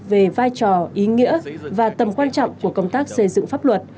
về vai trò ý nghĩa và tầm quan trọng của công tác xây dựng pháp luật